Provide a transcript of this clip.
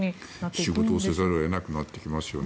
仕事をせざるを得なくなってきますよね。